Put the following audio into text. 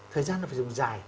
thời gian nó phải dùng dài